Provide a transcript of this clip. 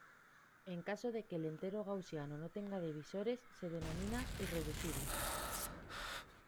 En caso de que el entero gaussiano no tenga divisores se denomina irreducible.